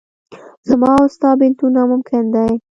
زما او ستا بېلتون ناممکن دی.